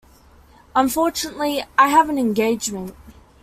Unfortunately I have an engagement.